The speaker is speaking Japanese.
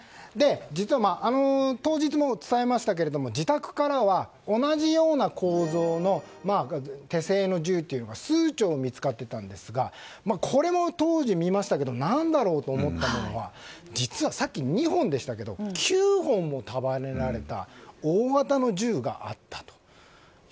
実は、当日も伝えましたが自宅からは同じような構造の手製の銃というのが数丁見つかっていたんですがこれも当時見ましたが何だろうと思ったのは実は、さっき２本でしたが９本も束ねられた大型の銃があったと。